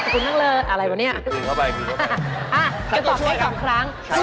เฮ่ยสกุลข้างเลย